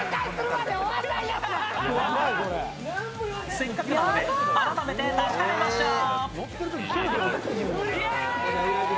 せっかくなので改めて確かめましょう。